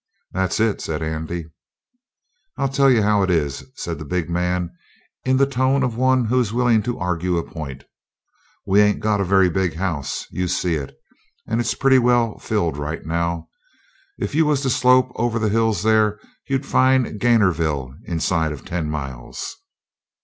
"That's it," said Andy. "I'll tell you how it is," said the big man in the tone of one who is willing to argue a point. "We ain't got a very big house you see it and it's pretty well filled right now. If you was to slope over the hills there, you'd find Gainorville inside of ten miles."